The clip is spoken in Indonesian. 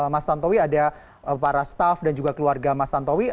mas tantowi ada para staff dan juga keluarga mas tantowi